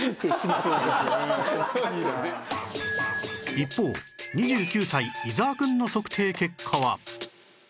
一方２９歳伊沢くんの測定結果は